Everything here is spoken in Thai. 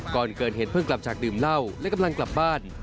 ก่อนเกิดเหตุเพิ่งกลับจากดื่มเหล้าและกำลังกลับบ้าน